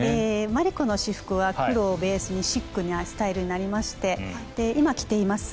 マリコの私服は黒をベースにシックなスタイルになりまして今、着ています